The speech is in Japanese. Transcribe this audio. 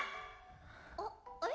あっあれ？